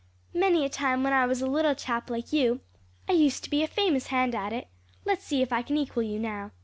"Many a time when I was a little chap like you, I used to be a famous hand at it. Let's see if I can equal you now."